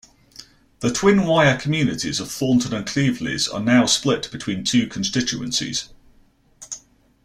The twin Wyre communities of Thornton and Cleveleys are now split between two constituencies.